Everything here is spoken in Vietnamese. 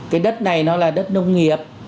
cái đất này nó là đất nông nghiệp